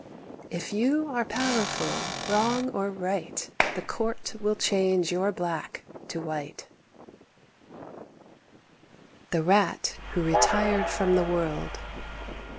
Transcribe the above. If you are powerful, wrong or right, The court will change your black to white. FABLE CXXVI. THE RAT WHO RETIRED FROM THE WORLD.